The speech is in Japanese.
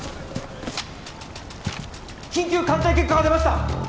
緊急鑑定結果が出ました！